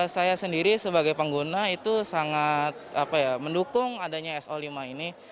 saya sendiri sebagai pengguna itu sangat mendukung adanya so lima ini